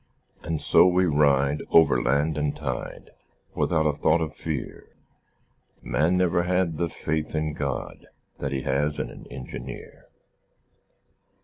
And so we ride Over land and tide, Without a thought of fear _Man never had The faith in God That he has in an engineer!